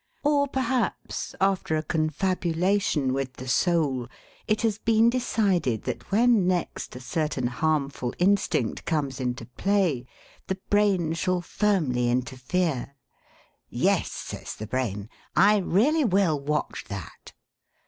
Or perhaps, after a confabulation with the soul, it has been decided that when next a certain harmful instinct comes into play the brain shall firmly interfere. 'Yes,' says the brain, 'I really will watch that.'